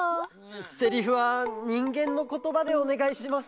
セリフはにんげんのことばでおねがいします。